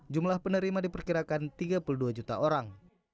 jumlah penerima diperkirakan tiga puluh dua juta orang